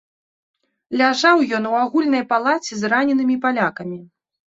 Ляжаў ён у агульнай палаце з раненымі палякамі.